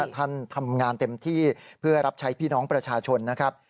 ท่านทำงานเต็มที่เพื่อรับใช้พี่น้องประชาชนนะครับ